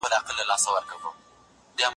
چكني خولۍ و غاړه